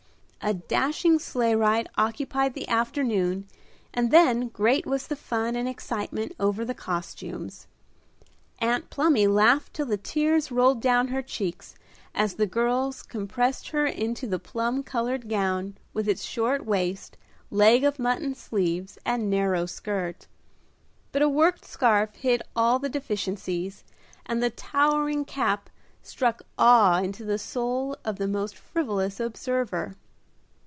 A dashing sleigh ride occupied the afternoon, and then great was the fun and excitement over the costumes. Aunt Plumy laughed till the tears rolled down her cheeks as the girls compressed her into the plum colored gown with its short waist, leg of mutton sleeves, and narrow skirt. But a worked scarf hid all deficiencies, and the towering cap struck awe into the soul of the most frivolous observer.